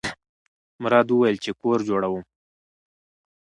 مراد وویل چې کور جوړوم.